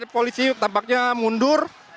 polisi tampaknya mundur